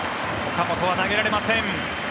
岡本は投げられません。